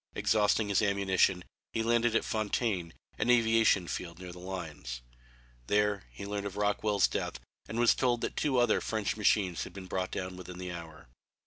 Exhausting his ammunition he landed at Fontaine, an aviation field near the lines. There he learned of Rockwell's death and was told that two other French machines had been brought down within the hour.